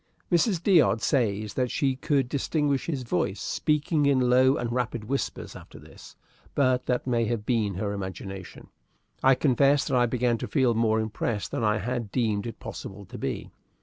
Mrs. D'Odd says that she could distinguish his voice speaking in low and rapid whispers after this, but that may have been her imagination. I confess that I began to feel more impressed than I had deemed it possible to be.